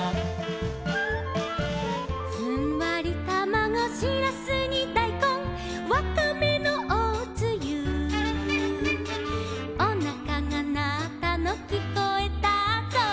「ふんわりたまご」「しらすにだいこん」「わかめのおつゆ」「おなかがなったのきこえたぞ」